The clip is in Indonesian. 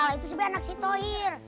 masalah itu sebenarnya anak si tauhir